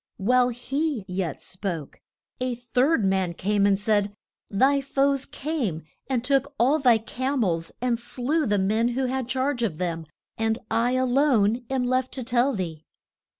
While he yet spoke, a third man came and said, Thy foes came and took all thy cam els, and slew the men who had charge of them, and I a lone am left to tell thee.